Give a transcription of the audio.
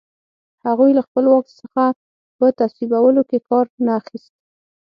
هغوی له خپل واک څخه په تصویبولو کې کار نه اخیست.